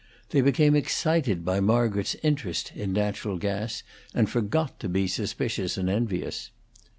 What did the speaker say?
They became excited by Margaret's interest in natural gas, and forgot to be suspicious and envious.